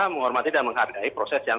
menghormati dan menghargai proses yang